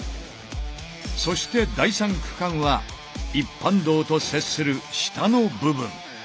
そして第３区間は一般道と接する下の部分。